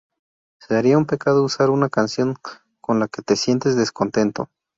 Sería un pecado usar una canción con la que te sientes descontento.